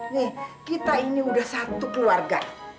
nih kita ini udah satu keluarga